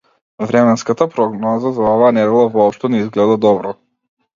Временската прогноза за оваа недела воопшто не изгледа добро.